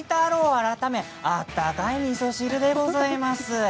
改め温かいみそ汁でございます。